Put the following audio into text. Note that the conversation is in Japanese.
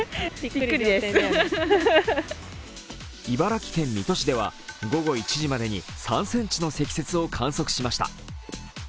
茨城県水戸市では午後１時までに３ｃｍの積雪を観測しました。